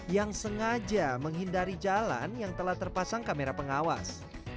yang sengaja menghindari jalan yang telah terpasang kamera pengawas